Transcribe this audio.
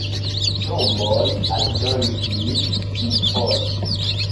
Tomboj aldoniĝis pli poste.